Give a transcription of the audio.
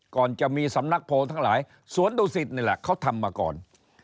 ก่อนจะมีสำนักโพลทั้งหลายสวนดุสิตนี่แหละเขาทำมาก่อน